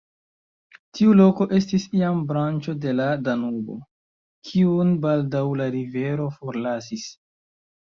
Tiu loko estis iam branĉo de la Danubo, kiun baldaŭ la rivero forlasis.